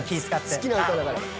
好きな歌だから。